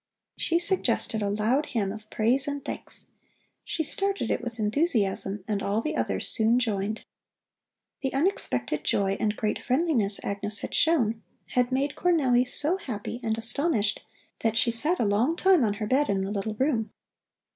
She suggested a loud hymn of praise and thanks. She started it with enthusiasm, and all the others soon joined. The unexpected joy and great friendliness Agnes had shown had made Cornelli so happy and astonished that she sat a long time on her bed in the little room.